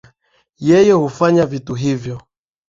yeye hufanya vitu hivyo